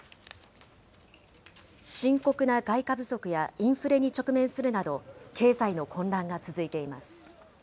深刻な外貨不足やインフレに直面するなど、経済の混乱が続いています。